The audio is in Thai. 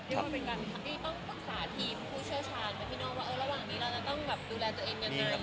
ต้องปรึกษาทีมผู้เชื่อชาญไหมพี่น้องว่าระหว่างนี้เราจะต้องดูแลตัวเองง่าย